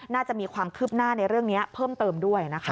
น่าจะมีความคืบหน้าในเรื่องนี้เพิ่มเติมด้วยนะคะ